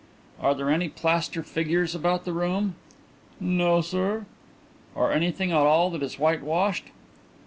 "Are there any plaster figures about the room?" "No, sir." "Or anything at all that is whitewashed?"